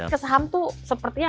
kesaham tuh sepertinya